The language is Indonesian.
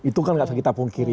itu kan gak bisa kita pungkiri